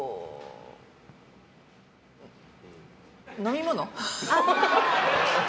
飲み物。